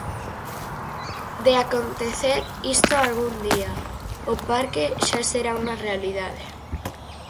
"De acontecer isto algún día, o parque xa será unha realidade".